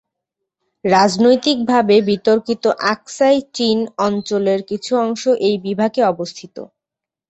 রাজনৈতিক ভাবে বিতর্কিত আকসাই চিন অঞ্চলের কিছু অংশ এই বিভাগে অবস্থিত।